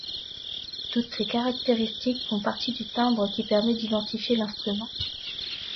Toutes ces caractéristiques font partie du timbre qui permet d'identifier l'instrument.